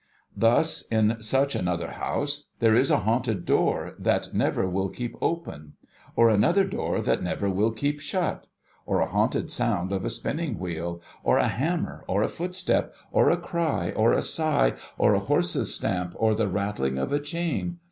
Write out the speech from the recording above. Thus, in such another house there is a haunted door, that never will keep open ; or another door that never will keep shut ; or a haunted sound of a spinning wheel, or a hammer, or a footstep, or a cry, or a sigh, or a horse's tramp, or the rattling of a chain.